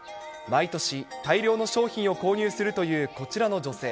毎年、大量の商品を購入するというこちらの女性。